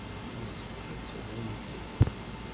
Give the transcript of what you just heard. Yessefk ad tesgunfu.